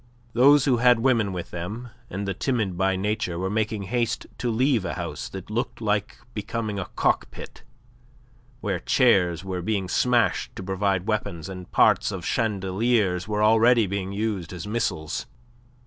Those who had women with them and the timid by nature were making haste to leave a house that looked like becoming a cockpit, where chairs were being smashed to provide weapons, and parts of chandeliers were already being used as missiles.